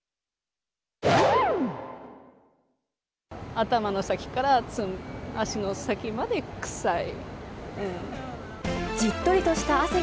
頭の先から足の先まで臭い。